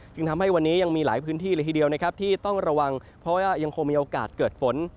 จึงทำให้วันนี้ยังมีหลายพื้นที่เลยทีเดียวนะครับที่ต้องระวังเพราะว่ายังคงมีโอกาสเกิดฝน